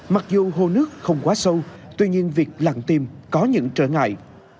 mặc dù hồ nước không quá sâu tuy nhiên việc lặn tìm có những trở ngại